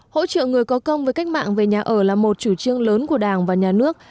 hỗ trợ người có công với cách mạng về nhà ở là một chủ trương lớn của đảng và nhà nước